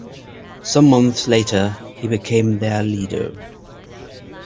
Some months later he became their leader.